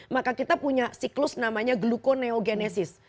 maka kita punya siklus namanya glukoneogenesis